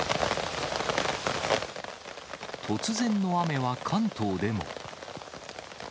突然の雨は関東でも。